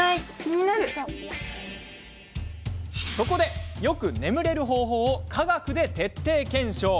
そこで、よく眠れる方法を科学で徹底検証。